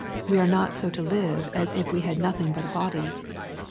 We are not so to live as iinve had nothing but a body.